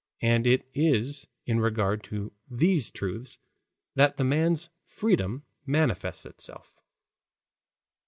And it is in regard to these truths that the man's freedom manifests itself.